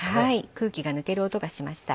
空気が抜ける音がしました。